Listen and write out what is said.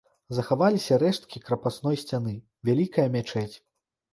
Захаваліся рэшткі крапасной сцяны, вялікая мячэць.